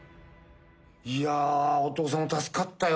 いやお父さん助かったよ。